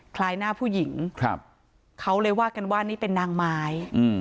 คล้ายหน้าผู้หญิงเขาเลยว่ากันว่านี่เป็นนางไม้